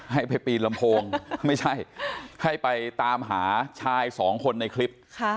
ให้ไปปีนลำโพงไม่ใช่ให้ไปตามหาชายสองคนในคลิป